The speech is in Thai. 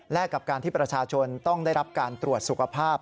และกับการที่ประชาชนต้องได้รับการตรวจสุขภาพ